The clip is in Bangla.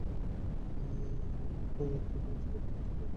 আকামাদের রোজগার দিচ্ছি আমরা।